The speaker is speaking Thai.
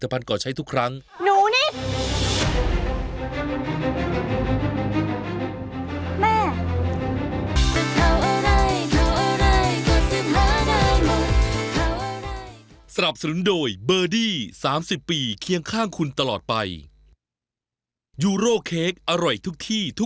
ถ้าครั้งนี้ใครทำผมวันนี้เสียทรงอยู่แล้วก็วันนี้ไม่ปล่อยไว้แน่